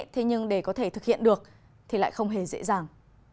thế nhưng để có thể thực hiện được thì lại không hề dễ dàng